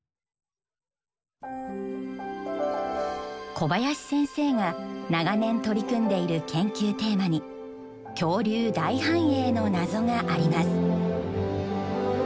小林先生が長年取り組んでいる研究テーマに「恐竜大繁栄の謎」があります。